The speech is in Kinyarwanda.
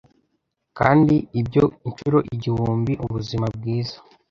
kandi ibyo inshuro igihumbi ubuzima bwiza